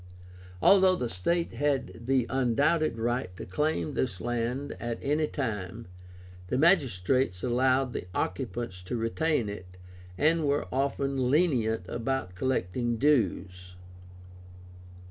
Although the state had the undoubted right to claim this land at any time, the magistrates allowed the occupants to retain it, and were often lenient about collecting dues.